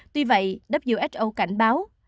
tuy vậy who cảnh báo